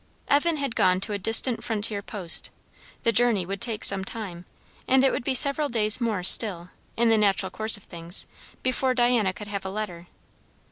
Evan had gone to a distant frontier post; the journey would take some time; and it would be several days more still, in the natural course of things, before Diana could have a letter.